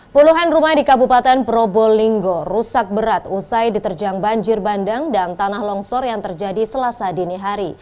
puluhan rumah di kabupaten probolinggo rusak berat usai diterjang banjir bandang dan tanah longsor yang terjadi selasa dini hari